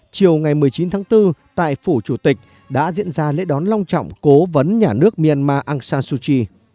chiều ngày một mươi chín tháng bốn tại phủ chủ tịch đã diễn ra lễ đón long trọng cố vấn nhà nước myanmar aung san suu kyi